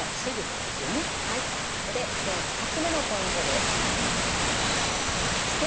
そこで今日２つ目のポイントです。